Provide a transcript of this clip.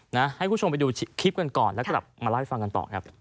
ให้คุณผู้ชมไปดูคลิปกันก่อนแล้วกลับมาเล่าให้ฟังกันต่อครับ